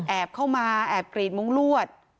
แอบเข้ามาแอบกรีดมุงรวด